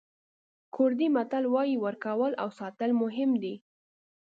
کوردي متل وایي ورکول او ساتل مهم دي.